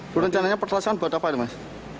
perancananya petasan buat apa ini mas